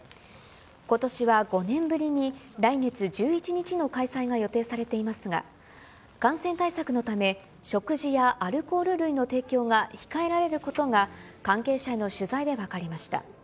ことしは５年ぶりに来月１１日の開催が予定されていますが、感染対策のため、食事やアルコール類の提供が控えられることが、関係者への取材で分かりました。